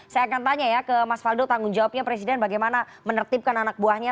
saya akan tanya ya ke mas faldo tanggung jawabnya presiden bagaimana menertibkan anak buahnya